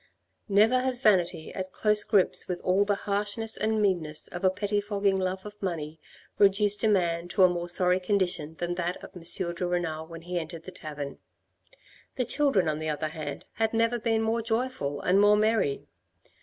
Never has vanity at close grips with all the harshness and meanness of a pettifogging love of money reduced a man to a more sorry condition than that of M. de Renal when he entered the tavern. The children, on the other hand, had never been more joyful and more merry.